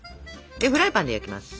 でフライパンで焼きます。